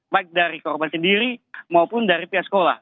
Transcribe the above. baik dari korban sendiri maupun dari pihak sekolah